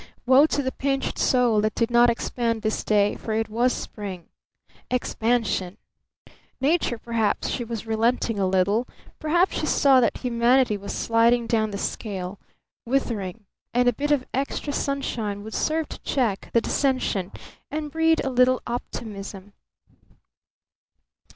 Woe to the pinched soul that did not expand this day, for it was spring. Expansion! Nature perhaps she was relenting a little, perhaps she saw that humanity was sliding down the scale, withering, and a bit of extra sunshine would serve to check the descension and breed a little optimism.